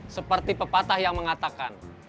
seperti pepatah yang mengatakan